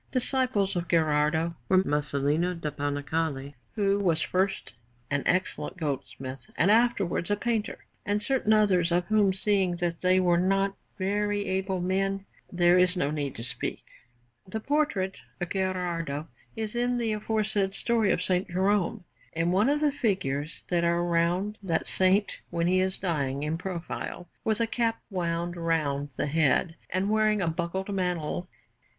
Disciples of Gherardo were Masolino da Panicale, who was first an excellent goldsmith and afterwards a painter, and certain others, of whom, seeing that they were not very able men, there is no need to speak. The portrait of Gherardo is in the aforesaid story of S. Jerome, in one of the figures that are round that Saint when he is dying, in profile, with a cap wound round the head and wearing a buckled mantle.